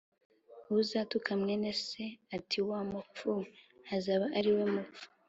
uzatuka mwene se ati ‘Wa mupfu we’azaba ariwe mupfu